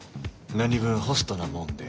何分ホストなもんで。